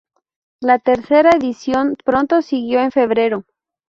La tercera edición pronto siguió en febrero.